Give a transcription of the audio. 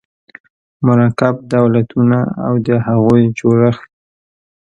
مرکب دولتونه او د هغوی جوړښت